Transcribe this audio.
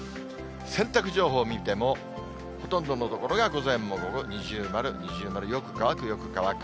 洗濯情報を見ても、ほとんどの所が午前も午後も二重丸、二重丸、よく乾く、よく乾く。